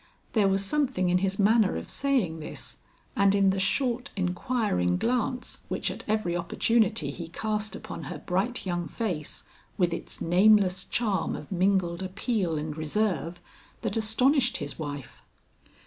There was something in his manner of saying this and in the short inquiring glance which at every opportunity he cast upon her bright young face with its nameless charm of mingled appeal and reserve, that astonished his wife.